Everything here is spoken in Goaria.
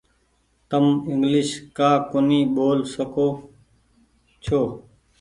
تم انگليش ڪآ ڪونيٚ ٻول سڪو ڇو۔